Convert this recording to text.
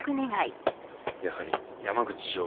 やはり山口常務